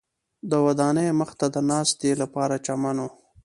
د ودانیو مخ ته د ناستې لپاره چمن و.